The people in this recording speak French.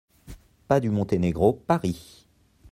PAS DU MONTENEGRO, Paris